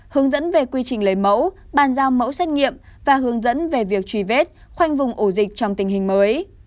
hướng dẫn về quy trình lấy mẫu bàn giao mẫu xét nghiệm và hướng dẫn về việc truy vết khoanh vùng ổ dịch trong tình hình mới